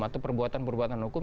atau perbuatan perbuatan hukum